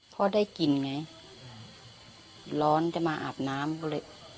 พ่อได้กินไงร้อนจะมาอาบน้ำก็เลย